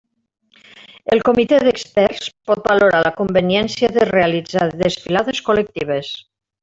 El comitè d'experts pot valorar la conveniència de realitzar desfilades col·lectives.